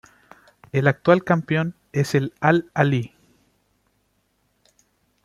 El actual campeón es el Al-Ahli.